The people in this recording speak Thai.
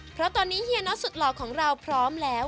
เพราะตอนนี้เฮียน็อตสุดหล่อของเราพร้อมแล้ว